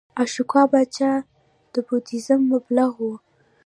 اشوکا پاچا د بودیزم مبلغ و